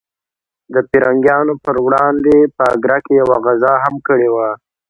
د پرنګیانو پر وړاندې په اګره کې یوه غزا هم کړې وه.